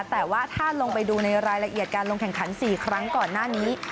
แต่ว่าถ้าลงไปดูในรายละเอียดการลงแข่งขัน๔ครั้งก่อนหน้านี้